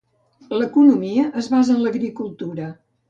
L'economia es basa en l'agricultura.